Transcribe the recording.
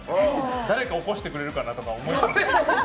誰か起こしてくれるかなとか思いつつ。